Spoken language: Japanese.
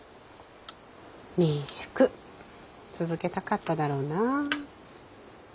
民宿続けたかっただろうなぁ。